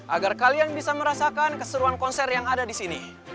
agar kalian bisa merasakan keseruan konser yang ada disini